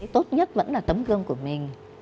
tốt nhất vẫn là tấm gương của mình